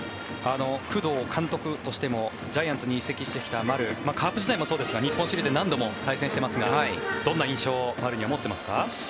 工藤監督としてもジャイアンツに移籍してきた丸カープ時代もそうですが日本シリーズで何度も対戦していますがどんな印象を丸には持っていますか。